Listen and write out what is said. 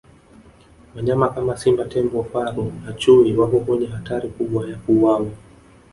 wanyama kama simba tembo faru na chui wako kwenye hatari kubwa ya kuuwawa